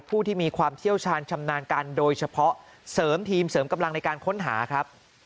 ผู้ที่มีความเชี่ยวชาญชำนาญการโดยเฉพาะเสริมทีมเสริมกำลังในการค้นหาครับ